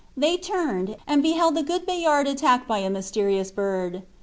They turned, and beheld the good Bayard attacked by a monstrous bird.